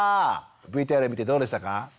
ＶＴＲ見てどうでしたか？